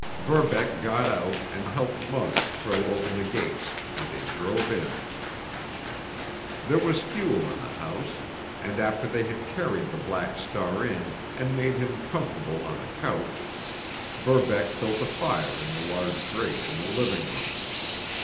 Verbeck got out and helped Muggs throw open the gates, and they drove in. There was fuel in the house, and after they had carried the Black Star in and made him comfortable on a couch Verbeck built a fire in the large grate in the living room.